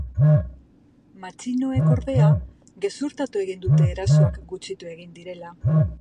Matxinoek, ordea, gezurtatu egin dute erasoak gutxitu egin direla.